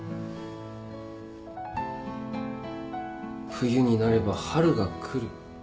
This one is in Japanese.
冬になれば春が来る。